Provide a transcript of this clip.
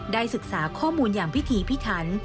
ได้ศึกษาข้อมูลอย่างพิธีพิถัน